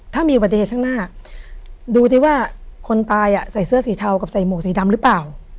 ถ้ามีอุบัติเหตุข้างหน้าดูสิว่าคนตายใส่เสื้อสีเทากับใส่หมวกสีดำหรือเปล่า